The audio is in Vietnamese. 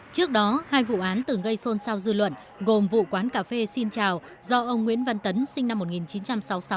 trước đó hai vụ án từng gây xôn xao dư luận gồm vụ quán cà phê xin chào do ông nguyễn văn tấn sinh năm một nghìn chín trăm sáu mươi sáu